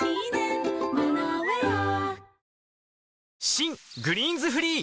新「グリーンズフリー」